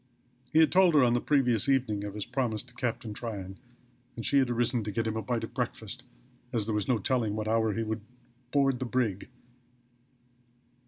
He had told her on the previous evening of his promise to Captain Tryon, and she had arisen to get him a bite of breakfast, as there was no telling at what hour he would board the brig.